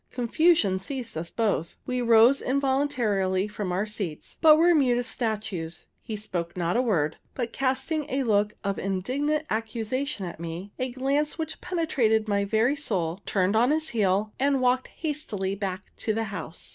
Confusion seized us both. We rose involuntarily from our seats, but were mute as statues. He spoke not a word, but casting a look of indignant accusation at me, a glance which penetrated my very soul, turned on his heel, and walked hastily back to the house.